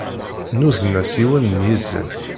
Nuzen-as yiwen n yizen.